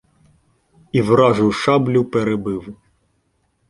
І вражу шаблю перебив.